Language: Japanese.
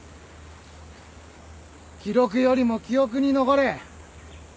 記録よりも記憶に残れ！